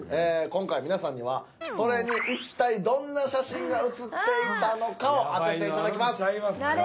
今回皆さんにはそれに一体どんな写真が写っていたのかを当てて頂きます。